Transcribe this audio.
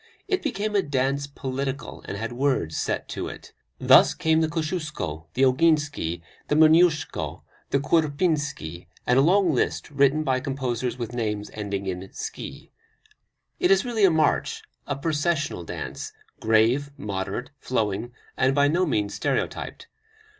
It became a dance political, and had words set to it. Thus came the Kosciuszko, the Oginski, the Moniuszko, the Kurpinski, and a long list written by composers with names ending in "ski." It is really a march, a processional dance, grave, moderate, flowing, and by no means stereotyped.